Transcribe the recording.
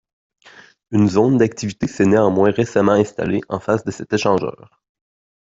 Une zone d'activités s'est néanmoins récemment installée en face de cet échangeur.